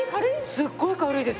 すごい軽いです。